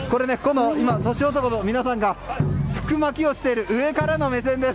年男の皆さんが福まきをしている上からの目線です。